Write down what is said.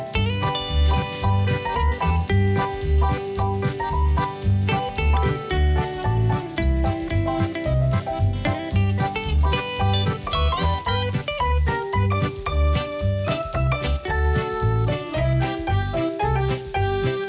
รู้สึกบีใจค่ะที่แบบมันมันเป็นอะไรที่จะทำให้ทุกคนยิ้มได้ขอโล่ได้